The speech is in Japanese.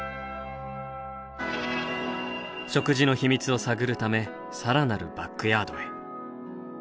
食事の秘密を探るため更なるバックヤードへ。